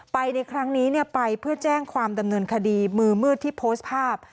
ในครั้งนี้ไปเพื่อแจ้งความดำเนินคดีมือมืดที่โพสต์ภาพ